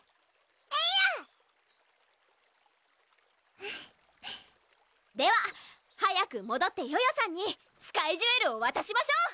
フフッでは早くもどってヨヨさんにスカイジュエルをわたしましょう！